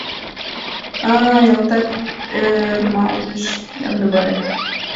— А-а... — ялтак ӧрмалгыш Яндыбаев.